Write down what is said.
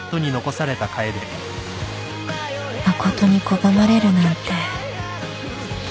誠に拒まれるなんて